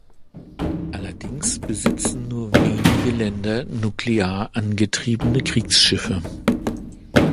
Allerdings besitzen nur wenige Länder nuklear angetriebene Kriegsschiffe.